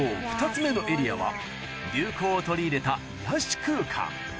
２つ目のエリアは流行を取り入れた癒やし空間